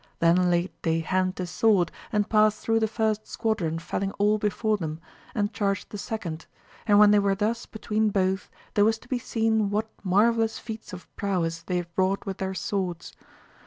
Then laid they hand to sword and passed through the first squadron felling all before them, and charged the second : and when they were thus between both there was to be seen what marvellous feats of prowess they wrought with their swords.